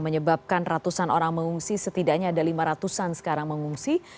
menyebabkan ratusan orang mengungsi setidaknya ada lima ratus an sekarang mengungsi